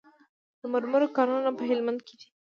د مرمرو کانونه په هلمند کې دي